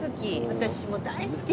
私も大好き。